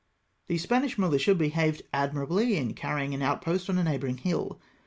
" The Spanish militia behaved admirably in carrying an outpost on a neighbouring hill.